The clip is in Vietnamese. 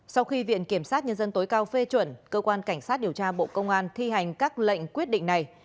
sau khi viện kiểm sát nhân dân tối cao phê chuẩn cơ quan cảnh sát điều tra bộ công an thi hành các lệnh quyết định này